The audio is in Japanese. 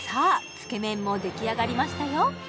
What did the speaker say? つけ麺もできあがりましたよ